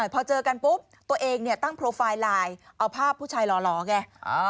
พอเจอกันปุ๊บตัวเองเนี่ยตั้งโปรไฟล์ไลน์เอาภาพผู้ชายหล่อไง